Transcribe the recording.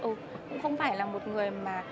ừ cũng không phải là một người mà